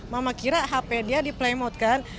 mama kira hp dia di play mode kan